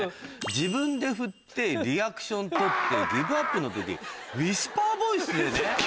自分でふってリアクション取ってギブアップの時ウィスパーボイスでね。